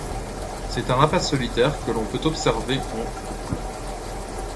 C'est un rapace solitaire que l'on peut observer en couple.